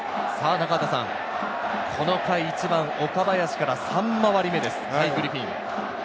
中畑さん、この回、１番・岡林から３回り目です、グリフィン。